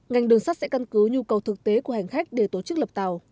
ngành đường sắt sẽ căn cứ nhu cầu thực tế của hành khách để tổ chức lập tàu